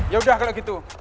ya udah kalau gitu